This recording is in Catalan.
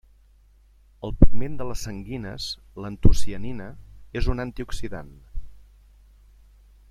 El pigment de les sanguines, l'antocianina, és un antioxidant.